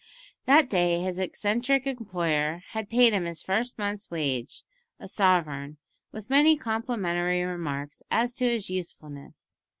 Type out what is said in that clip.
That day his eccentric employer had paid him his first month's wage, a sovereign, with many complimentary remarks as to his usefulness.